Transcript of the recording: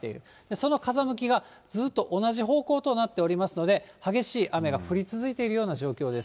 その風向きがずっと同じ方向となっておりますので、激しい雨が降り続いているような状況です。